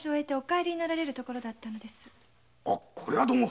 あこれはどうも。